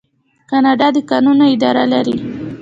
کاناډا د کانونو اداره لري.